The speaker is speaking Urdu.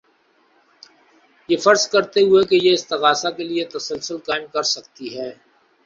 یہ فرض کرتے ہوئے کہ یہ استغاثہ کے لیے تسلسل قائم کر سکتی ہے